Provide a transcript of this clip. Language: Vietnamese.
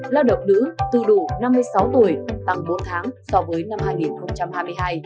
lao động nữ từ đủ năm mươi sáu tuổi tăng bốn tháng so với năm hai nghìn hai mươi hai